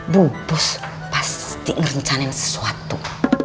bubos pasti ngerencanain sesuatu